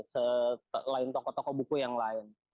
selain toko toko buku yang lain